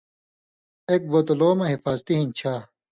ایک بوتلو مہ حفاظتی ہِن چھا۔